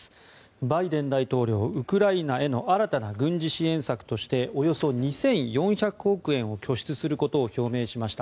バイデン大統領、ウクライナへの新たな軍事支援策としておよそ２４００億円を拠出することを表明しました。